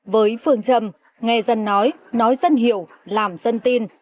với phương châm nghe dân nói nói dân hiểu làm dân tin